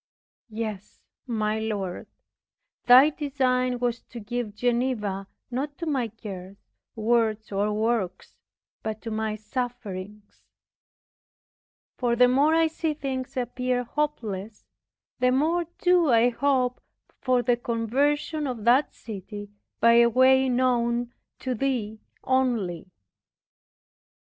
Yes, my Lord, Thy design was to give Geneva not to my cares, words or works, but to my sufferings; for the more I see things appear hopeless, the more do I hope for the conversion of that city by a way known to Thee only.